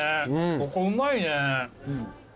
ここうまいね。